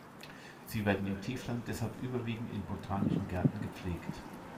Sie werden im Tiefland deshalb überwiegend in Botanischen Gärten gepflegt.